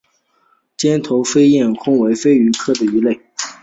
尖头燕鳐为飞鱼科燕鳐属的鱼类。